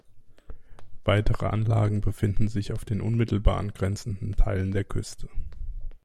Weitere Anlagen befinden sich auf den unmittelbar angrenzenden Teilen der Küste.